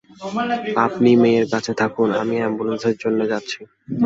আপনি মেয়ের কাছে থাকুন, আমি অ্যাম্বুলেন্সের জন্যে যাচ্ছি।